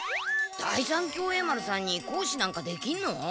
第三協栄丸さんに講師なんかできんの？